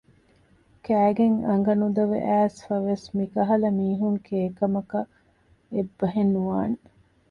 ކައިގެން އަނގަ ނުދޮވެ އައިސްފަވެސް މިކަހަލަ މީހުން ކެއިކަމަކަށް އެއްބަހެއް ނުވާނެ